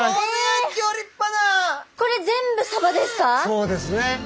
そうですね。